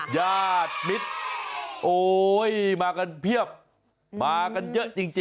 ญาติมิตรโอ๊ยมากันเพียบมากันเยอะจริง